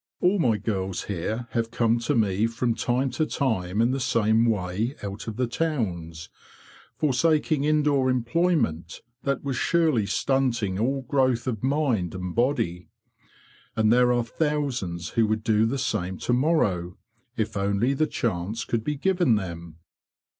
All my girls here have come to me from time to time in the same way out of the towns, for saking indoor employment that was surely stunting all growth of mind and body. And there are thousands who would do the same to morrow, if only the chance could be given them."